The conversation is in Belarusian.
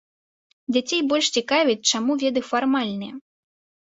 Дзяцей больш цікавіць, чаму веды фармальныя.